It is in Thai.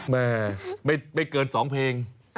แม่ไม่เกิน๒เพลง